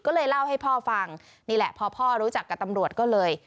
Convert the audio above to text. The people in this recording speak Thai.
ก็เลยเล่าให้พ่อฟังนี่แหละพอพ่อรู้จักกับตำรวจก็เลย